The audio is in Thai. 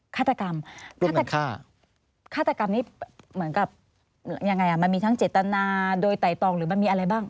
ฆาตกรรมฆาตฆาตกรรมนี้เหมือนกับยังไงมันมีทั้งเจตนาโดยไต่ตองหรือมันมีอะไรบ้าง